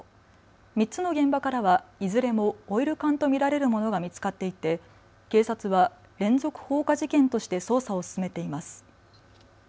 ３つの現場からはいずれもオイル缶と見られるものが見つかっていて警察は連続放火事件として捜査を進めています。